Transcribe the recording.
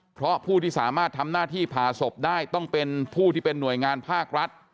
เพราะผู้ที่สามารถทำหน้าที่ผ่าศพได้ต้องเป็นผู้ที่เป็นหน่วยงานภาครัฐ